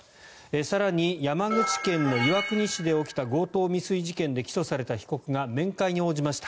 更に、山口県岩国市で起きた強盗未遂事件で起訴された被告が面会に応じました。